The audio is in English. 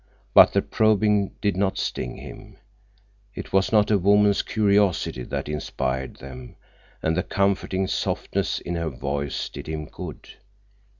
But the probing did not sting him; it was not a woman's curiosity that inspired them, and the comforting softness in her voice did him good.